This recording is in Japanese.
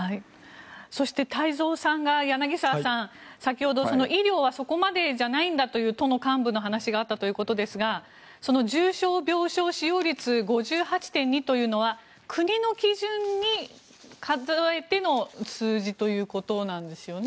そして、太蔵さんが医療はそこまでじゃないんだという都の幹部の話があったということですが重症病床使用率５８．２％というのは国の基準に重ねての数字ということなんですよね。